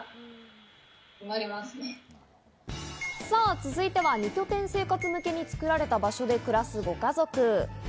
続いては二拠点生活向けに作られた場所で暮らすご家族。